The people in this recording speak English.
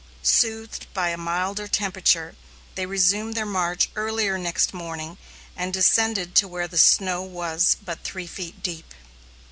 Soothed by a milder temperature, they resumed their march earlier next morning and descended to where the snow was but three feet deep.